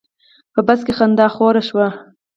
په بس کې خندا خوره شوه.